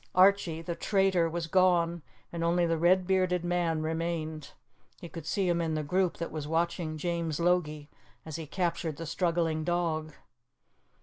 Archie, the traitor, was gone, and only the red bearded man remained. He could see him in the group that was watching James Logie as he captured the struggling dog.